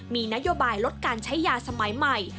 มีนโยบายลดการใช้ยาสมัยใหม่